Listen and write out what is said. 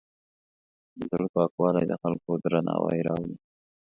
د زړۀ پاکوالی د خلکو درناوی راوړي.